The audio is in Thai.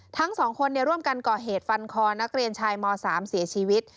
ทั้งสองคนร่วมกันก่อเหตุฟันคอนักเรียนชายม๓เสียชีวิต